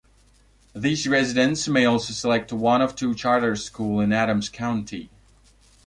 These residents may also select one of two charter schools in Adams County.